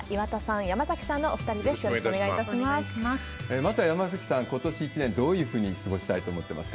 まずは山崎さん、ことし一年、どういうふうに過ごしたいと思っていますか？